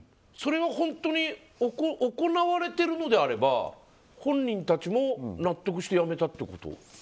それは本当に行われてるのであれば本人たちも納得して辞めたってこと？